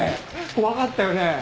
怖かったよね！？